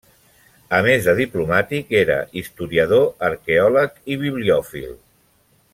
A més de diplomàtic, era historiador, arqueòleg i bibliòfil.